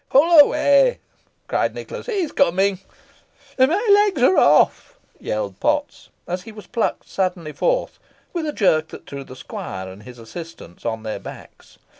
"Pull away!" cried Nicholas; "he is coming." "My legs are off," yelled Potts, as he was plucked suddenly forth, with a jerk that threw the squire and his assistants on their backs.